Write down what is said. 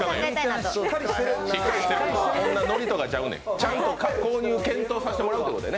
ちゃんと購入を検討させてもらうってことね。